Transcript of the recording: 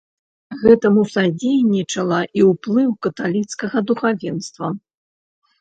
Гэтаму садзейнічала і ўплыў каталіцкага духавенства.